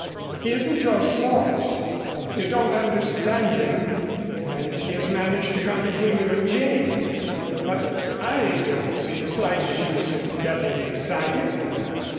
He isn't your sort, you don't understand him, and he has managed to come between you and Jane. But I don't see the slightest use in getting excited.